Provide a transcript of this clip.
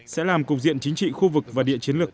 sẽ làm cục diện chính trị khu vực và địa chiến lược